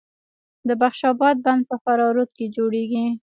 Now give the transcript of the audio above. د بخش اباد بند په فراه رود جوړیږي